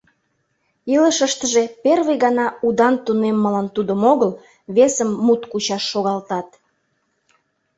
Илышыштыже первый гана удан тунеммылан тудым огыл, весым мут кучаш шогалтат.